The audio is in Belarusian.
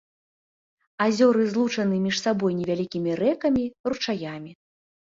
Азёры злучаны між сабой невялікімі рэкамі, ручаямі.